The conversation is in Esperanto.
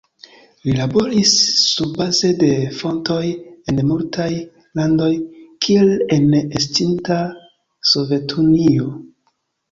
Li laboris surbaze de fontoj en multaj landoj, kiel en estinta Sovetunio.